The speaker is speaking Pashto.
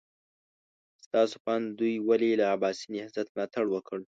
ستاسو په اند دوی ولې له عباسي نهضت ملاتړ وکړ؟